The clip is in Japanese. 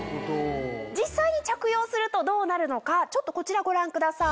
実際に着用するとどうなるのかちょっとこちらご覧ください。